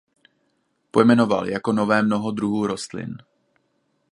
Pojmenoval jako nové mnoho druhů rostlin.